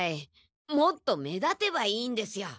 もっと目立てばいいんですよ！